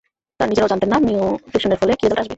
তারা নিজেরাও জানতেন না মিউটেশনের ফলে কী রেজাল্ট আসবে।